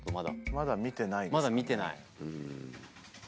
まだ見てない。